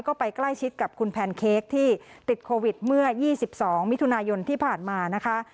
ก็ไปใกล้ชิดกับคุณแพนเค้กที่ติดโควิดเมื่อ๒๒มิถุนายนที่ผ่านมานะคะ